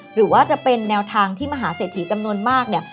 หรือว่าจะเป็นแนวทางที่มหาเศรษฐีจำนวนมากเนี่ย